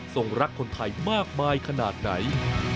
รักคนไทยมากมายขนาดไหน